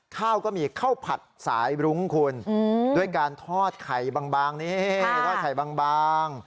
ข้าวก็มีข้าวผัดสายรุ้งคุณด้วยการทอดไข่บางนี่ทอดไข่บาง